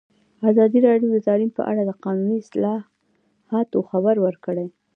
ازادي راډیو د تعلیم په اړه د قانوني اصلاحاتو خبر ورکړی.